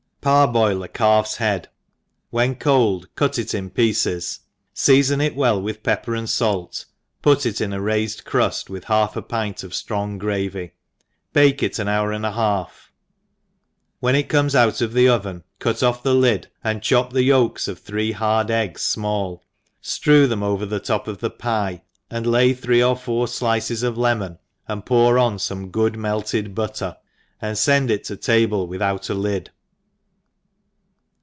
PARBOIL a calf's head, when cold cut it in pieces, feafon it well with pepper and fait, put It in a raifed eruft^ with half a pint of ftrong jgravy, bake it am hour and a half, when it comes out of the oven, cut off the lid, and chop the yolks of three hard eggs fmall, ftrew them ov^r the top of the pye, and lay three or four fliccs of lemon, and pour on fome good melted butter, ^nd fend it to the table without a lid.